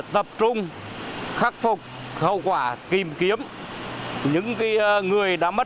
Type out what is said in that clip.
tập trung khắc phục hậu quả